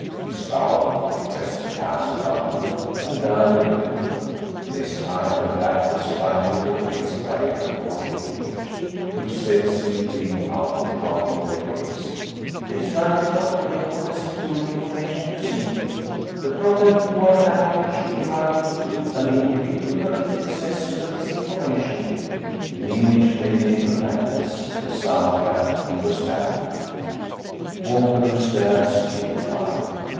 He scowled, depressed the cancel button, and dialed again; this time, the black was finally replaced by a recorded image, which said, sweetly out of pouting red lips, "This line is not cleared for the Security Information you seek. The problem you are handling should be routed through an individual permitted access to this information." The image faded into blackness, the sound track into static. Walker stared, stupefied.